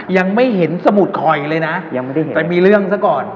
ยังไม่เห็นสมุดคอยเลยนะแต่มีเรื่องซะก่อน